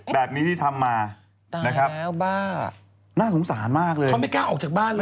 แบบนี้ที่ทำมานะครับแล้วบ้าน่าสงสารมากเลยเขาไม่กล้าออกจากบ้านเลย